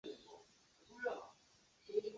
王剑钻石还将运送货物和人员至低地球轨道。